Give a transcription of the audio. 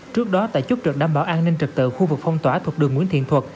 trước đó tại chốt trực đảm bảo an ninh trật tự khu vực phong tỏa thuộc đường nguyễn thiện thuật